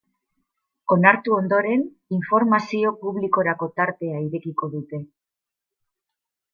Onartu ondoren, informazio publikorako tartea irekiko dute.